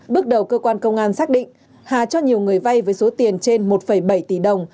bước đầu cơ quan công an xác định hà cho nhiều người vay với số tiền trên một bảy tỷ đồng